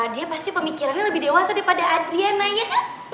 dia pasti pemikirannya lebih dewasa daripada adriana ya kan